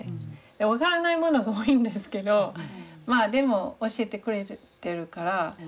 分からないものが多いんですけどまあでも教えてくれてるから。